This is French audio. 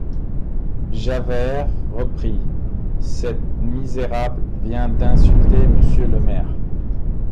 Javert reprit: — Cette misérable vient d’insulter monsieur le maire.